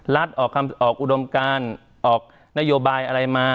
รัฐออกอุดมการออกนโยบายอะไรมา